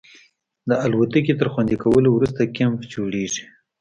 د الوتکې تر خوندي کولو وروسته کیمپ جوړیږي